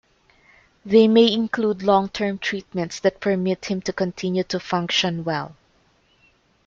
They may include long term treatments that permit him to continue to function well.